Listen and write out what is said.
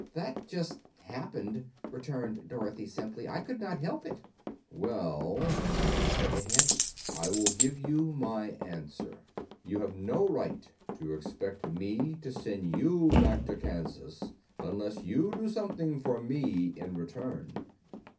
"That just happened," returned Dorothy simply; "I could not help it." "Well," said the Head, "I will give you my answer. You have no right to expect me to send you back to Kansas unless you do something for me in return.